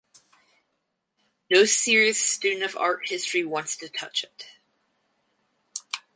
No serious student of art history wants to touch it.